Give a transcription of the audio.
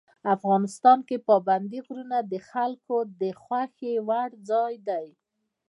افغانستان کې پابندي غرونه د خلکو د خوښې وړ ځای دی.